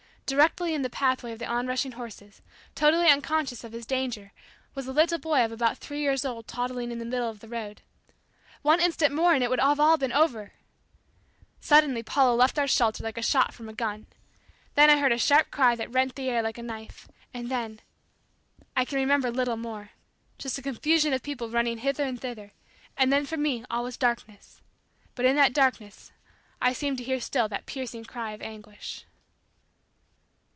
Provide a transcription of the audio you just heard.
Directly in the pathway of the onrushing horses, totally unconscious of his danger, was a little boy of about three years old toddling along in the middle of the road. One instant more and it would have been all over! Suddenly Paula left our shelter like a shot from a gun. Then I heard a sharp cry that rent the air like a knife, and then I can remember little more just a confusion of people running hither and thither, and then for me all was darkness, but in that darkness I seemed to hear still that piercing cry of anguish.